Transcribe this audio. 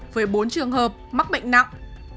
với bốn trường hợp mắc covid một mươi chín